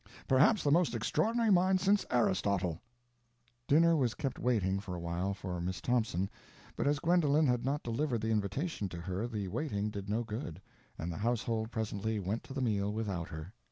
Perhaps the most extraordinary mind since Aristotle." Dinner was kept waiting for a while for Miss Thompson, but as Gwendolen had not delivered the invitation to her the waiting did no good, and the household presently went to the meal without her.